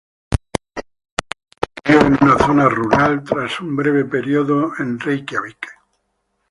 Se crio en una zona rural tras un breve periodo en Reikiavik.